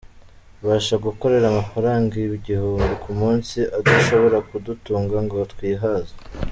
Mbasha gukorera amafaranga igihumbi ku munsi adashobora kudutunga ngo twihaze.